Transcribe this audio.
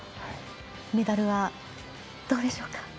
メダルはどうでしょうか？